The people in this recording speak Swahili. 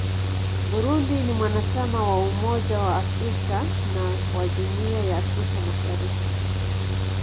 Burundi ni mwanachama wa Umoja wa Afrika na wa Jumuiya ya Afrika Mashariki.